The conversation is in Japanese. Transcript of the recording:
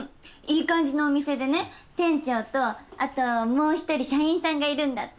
いい感じのお店でね店長とあともう一人社員さんがいるんだって。